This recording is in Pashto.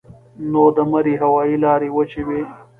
نو د مرۍ هوائي لارې وچې وي